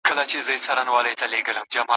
یوازي په خپل ځان به سې شهید او غازي دواړه